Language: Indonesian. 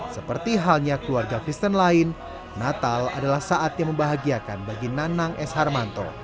seperti halnya keluarga kristen lain natal adalah saat yang membahagiakan bagi nanang s harmanto